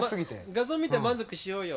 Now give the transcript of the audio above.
画像見て満足しようよ。